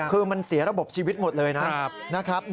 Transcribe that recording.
คือมันเสียระบบชีวิตหมดเลยนะครับ